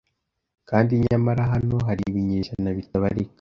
Kandi nyamara hano hari ibinyejana bitabarika